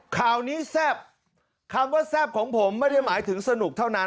ข่าวนี้แซ่บคำว่าแซ่บของผมไม่ได้หมายถึงสนุกเท่านั้น